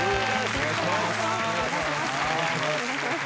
お願いします。